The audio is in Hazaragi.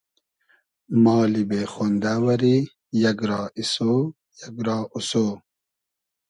مالی بې خۉندۂ وئری یئگ را ایسۉ , یئگ را اوسۉ